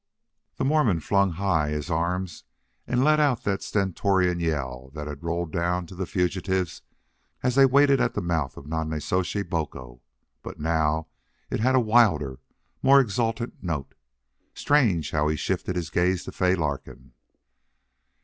The Mormon flung high his arms and let out the stentorian yell that had rolled down to the fugitives as they waited at the mouth of Nonnezoshe Boco. But now it had a wilder, more exultant note. Strange how he shifted his gaze to Fay Larkin!